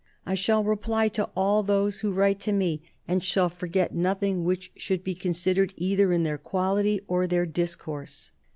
... I shall reply to all those who write to me, and shall forget nothing which should be considered either in their quality or their discourse.